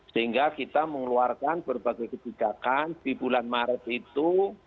sehingga kita mengeluarkan berbagai kebijakan di bulan maret itu